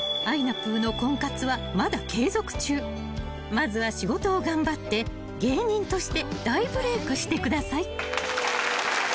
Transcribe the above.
［まずは仕事を頑張って芸人として大ブレークしてください］